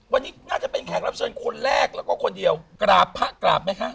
วันนี้น่าจะเป็นแขกรับเชิญคนแรกแล้วก็คนเดียวกราบพระกราบไหมคะ